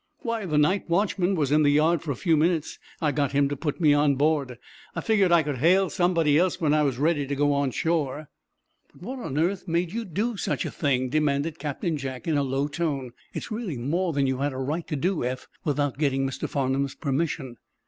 "Why, the night watchman was in the yard for a few minutes, and I got him to put me on board. I figured I could hail somebody else when I was ready to go on shore." "But what on earth made you do such a thing?" demanded Captain Jack, in a low tone. "It's really more than you had a right to do, Eph, without getting Mr. Farnum's permission."